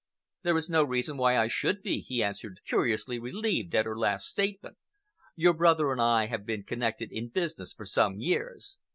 "There is no reason why I should be," he answered, curiously relieved at her last statement. "Your brother and I have been connected in business for some years.